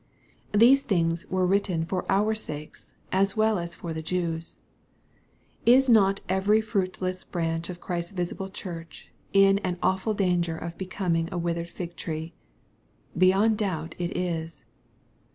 These things were written for our sakes, as well as for the Jews. ( Is not every fruitless branch of Christ's visible church in an awful danger of becoming a withered fig tree ? Be yond doubt it is.